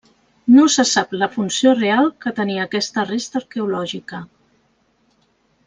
No se sap la funció real que tenia aquesta resta arqueològica.